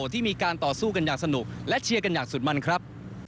ที่มีการต่อสู้กันอย่างสนุกและเชียร์กันอย่างสุดมันครับ